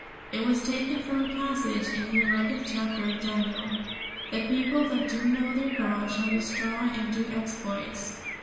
It was taken from a passage in the eleventh chapter of Daniel: "The people that do know their God shall be strong and do exploits."